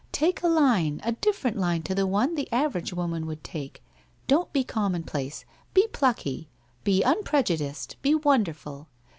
' Take a line, a different line to the one the average woman would take. Don't be commonplace. Be plucky, be unprejudiced, be wonderful.